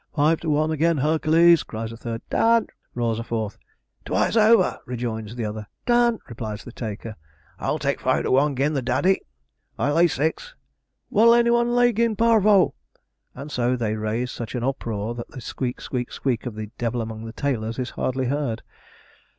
'Five to one agen Herc'les!' cries a third 'Done!' roars a fourth. 'Twice over!' rejoins the other 'Done!' replies the taker. 'Ar'll take five to one agin the Daddy!' 'I'll lay six!' 'What'll any one lay 'gin Parvo?' And so they raise such an uproar that the squeak, squeak, squeak of the 'Devil among the tailors' is hardly heard.